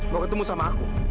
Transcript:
mau ketemu sama aku